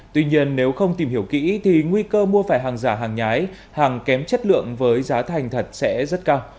tuy nhiên nếu không tìm hiểu kỹ thì nguy cơ mua phải hàng giả hàng nhái hàng kém chất lượng với giá thành thật sẽ rất cao